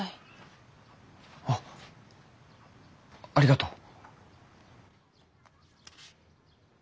あっありがとう。